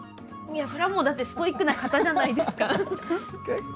いやそりゃもうだってストイックな方じゃないですか。